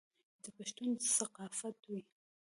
چې د پښتون ثقافت